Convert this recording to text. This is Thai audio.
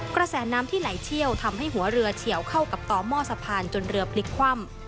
กระแสน้ำที่ไหลเชี่ยวทำให้หัวเรือเฉียวเข้ากับต่อหม้อสะพานจนเรือพลิกคว่ำ